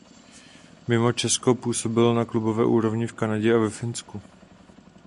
Mimo Česko působil na klubové úrovni v Kanadě a ve Finsku.